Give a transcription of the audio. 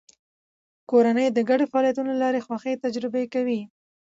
کورنۍ د ګډو فعالیتونو له لارې خوښي تجربه کوي